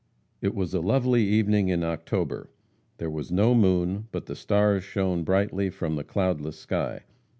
It was a lovely evening in October. There was no moon, but the stars shone brightly from the cloudless sky.